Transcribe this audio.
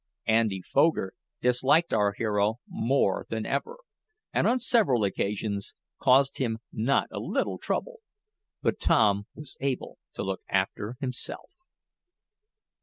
Andy Foger disliked our hero more than ever, and on several occasions caused him not a little trouble, but Tom was able to look after himself.